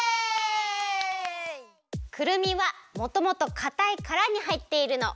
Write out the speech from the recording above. くるみはもともとかたいカラにはいっているの！